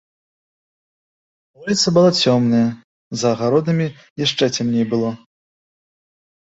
Вуліца была цёмная, за агародамі яшчэ цямней было.